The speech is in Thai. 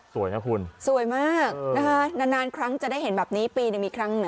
สวยค่ะคุณสวยมากนะคะนานครั้งจะได้เห็นแบบนี้ปีนึงอีกครั้ง